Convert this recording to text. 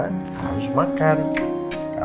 kamu harus makan